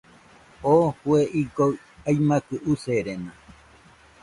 Oo jue igoɨ aimakɨ userena.